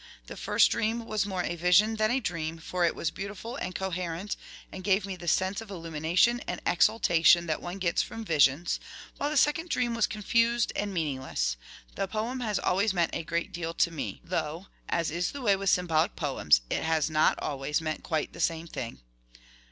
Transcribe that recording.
The first dream was more a vision than a dream, for it was beautiful and coherent, and gave me the sense of illumination and exaltation that one gets from visions, while the second dream was confused and meaningless. The poem has always meant a great deal to me, though, as is the way with symbolic poems, it has not always meant quite the same thing.